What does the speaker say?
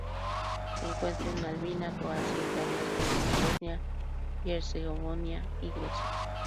Se encuentra en Albania, Croacia, Italia, Eslovenia, Bosnia y Herzegovina y Grecia.